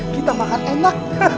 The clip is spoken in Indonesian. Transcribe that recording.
kita makan enak